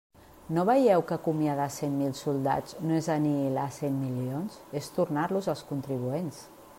No veieu que acomiadar cent mil soldats no és anihilar cent milions, és tornar-los als contribuents.